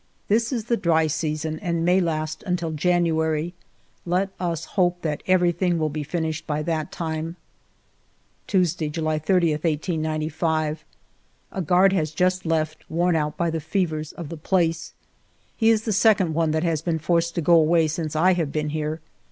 This is the dry season and may last until January. Let us hope that everything will be finished by that time. Tuesday^ July 1^0^ 1895. A guard has just left, worn out by the fevers of the place. He is the second one that has been forced to go away since I have been here.